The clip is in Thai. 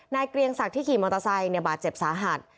เกรียงศักดิ์ที่ขี่มอเตอร์ไซค์บาดเจ็บสาหัส